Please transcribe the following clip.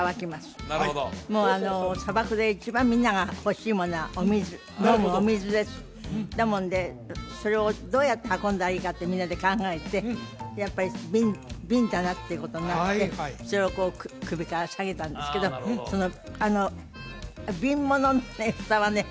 なるほどもう砂漠で一番みんなが欲しいものはお水飲むお水ですだもんでそれをどうやって運んだらいいかってみんなで考えてやっぱり瓶だなっていうことになってそれをこう首から下げたんですけどその瓶物のねふたはね